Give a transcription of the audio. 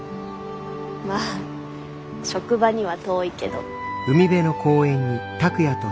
まあ職場には遠いけど。